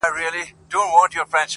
• سوداګر به یو له چین تر سمرقنده -